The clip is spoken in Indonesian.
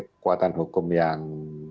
kekuatan hukum yang